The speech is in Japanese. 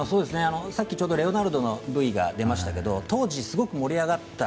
さっき、ちょうどレオナルドのＶが出ましたけど当時すごく盛り上がった。